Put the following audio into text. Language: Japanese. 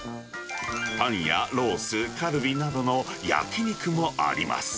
タンやロース、カルビなどの焼き肉もあります。